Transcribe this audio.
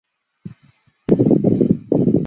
其先祖是汲郡。